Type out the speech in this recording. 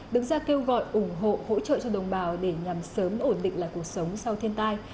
đứng ra kêu gọi ủng hộ hỗ trợ cho đồng bào để nhằm sớm ổn định lại cuộc sống sau thiên tai